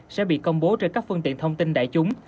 sẽ bị công bố trên các phương tiện thông tin đại chúng